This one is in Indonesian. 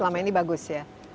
selama ini bagus ya